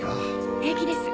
平気です